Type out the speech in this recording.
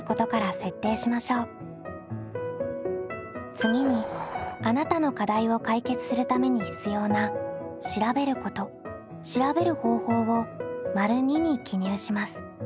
次にあなたの課題を解決するために必要な「調べること」「調べる方法」を②に記入します。